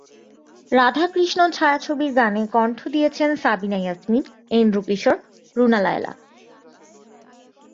রাধা কৃষ্ণ ছায়াছবির গানে কণ্ঠ দিয়েছেন সাবিনা ইয়াসমিন, এন্ড্রু কিশোর, রুনা লায়লা।